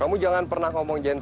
kamu jangan pernah ngomong